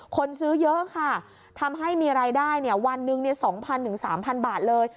คนซื้อเยอะค่ะทำให้มีรายได้วันหนึ่ง๒๐๐๓๐๐บาทเลย